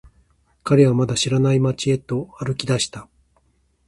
彼はまだ知らない街へと歩き出した。